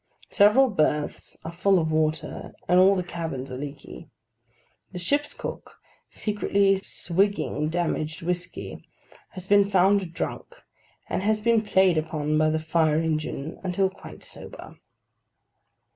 Several berths are full of water, and all the cabins are leaky. The ship's cook, secretly swigging damaged whiskey, has been found drunk; and has been played upon by the fire engine until quite sober.